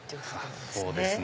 そうですね。